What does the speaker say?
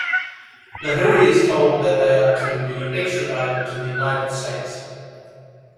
Lahiri is told that they are to be extradited to the United States.